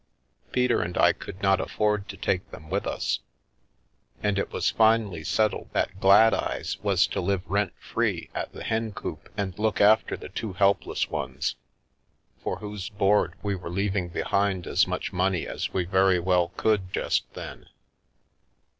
Peter and I could not afford to take them with us ; and it was finally settled that Gladeyes was to live rent free at the Hencoop and look after the two helpless ones, for whose board we were leaving behind as much money as we very well could just then.